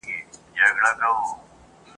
یوه ورځ یې وو مېړه ستړی راغلی ..